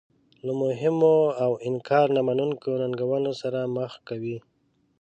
له مهمو او انکار نه منونکو ننګونو سره مخ کوي.